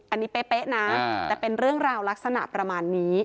อันนี้เป๊ะนะแต่เป็นเรื่องราวลักษณะประมาณนี้